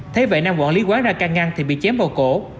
thế vậy năm quản lý quán ra ca ngăn thì bị chém vào cổ